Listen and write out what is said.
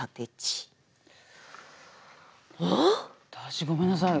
私ごめんなさい。